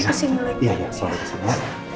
iya iya selalu kesini ya